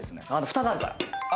ふたがあるから。